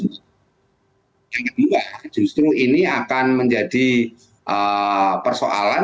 yang kedua justru ini akan menjadi persoalan